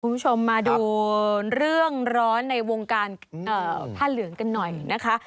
คุณผู้ชมมาดูเรื่องร้อนในวงการผ้าเหลืองกันหน่อยนะคะ